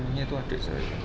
ini itu adik saya